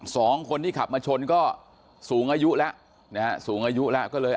สองคนที่ขับมาชนก็สูงอายุแล้วนะฮะสูงอายุแล้วก็เลย